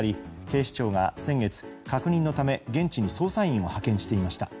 警視庁が先月確認のため、現地に捜査員を派遣していました。